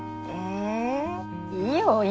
えいいよ